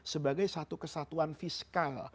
sebagai satu kesatuan fiskal